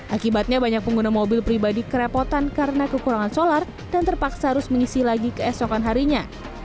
akibatnya banyak pengguna mobil pribadi kerepotan karena kekurangan solar dan terpaksa harus mengisi lagi keesokan harinya